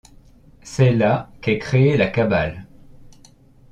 C'est là qu'est créée la Cabale.